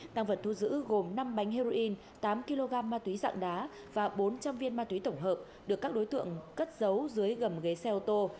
tăng vật thu giữ gồm năm bánh heroin tám kg ma túy dạng đá và bốn trăm linh viên ma túy tổng hợp được các đối tượng cất giấu dưới gầm ghế xe ô tô